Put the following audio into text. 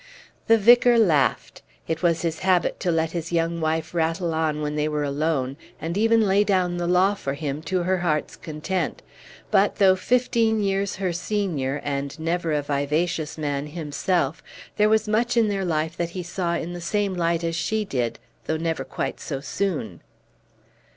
The vicar laughed. It was his habit to let his young wife rattle on when they were alone, and even lay down the law for him to her heart's content; but, though fifteen years her senior, and never a vivacious man himself, there was much in their life that he saw in the same light as she did, though never quite so soon.